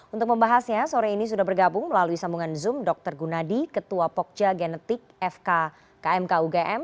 untuk membahasnya sore ini sudah bergabung melalui sambungan zoom dr gunadi ketua pokja genetik fk kmk ugm